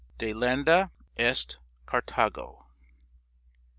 " Delenda est Carthago